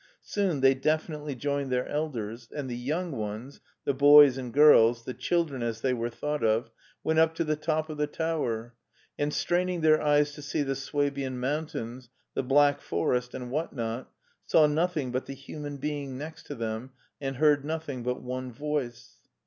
Soon they definitely joined their elders, and the yotmg ones — ^the boys and girls, the children as they were thought of — ^went up to the top of the tower, and, straining their eyes to see the Swabian Mountains, the Black Forest, and what not, saw nothing but the human being next to them, and heard nothing but one voice.